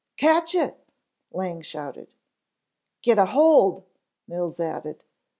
"Catch it," Lang shouted. "Get a hold," Mills added.